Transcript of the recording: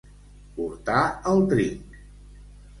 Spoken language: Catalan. Portar el trinc.